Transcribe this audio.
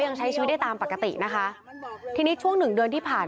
ยังใช้ชีวิตได้ตามปกตินะคะทีนี้ช่วงหนึ่งเดือนที่ผ่าน